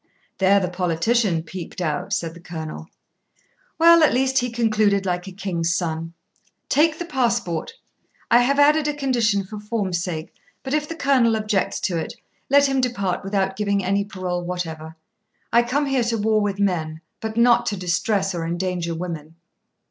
"' 'There the politician peeped out,' said the Colonel. 'Well, at least he concluded like a king's son: "Take the passport; I have added a condition for form's sake; but if the Colonel objects to it, let him depart without giving any parole whatever. I come here to war with men, but not to distress or endanger women."'